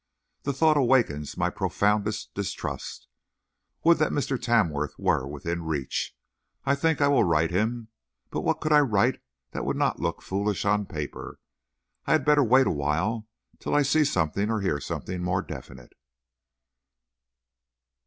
The thought awakens my profoundest distrust. Would that Mr. Tamworth were within reach! I think I will write him. But what could I write that would not look foolish on paper? I had better wait a while till I see something or hear something more definite.